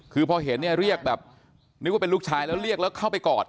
คือพอเห็นเนี่ยเรียกแบบนึกว่าเป็นลูกชายแล้วเรียกแล้วเข้าไปกอด